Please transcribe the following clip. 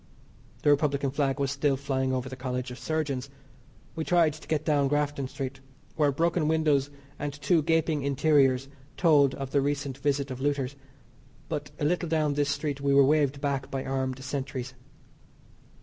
The Republican flag was still flying over the College of Surgeons. We tried to get down Grafton Street (where broken windows and two gaping interiors told of the recent visit of looters), but a little down this street we were waved back by armed sentries.